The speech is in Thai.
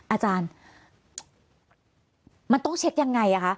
อาจารย์มันต้องเช็คยังไงคะ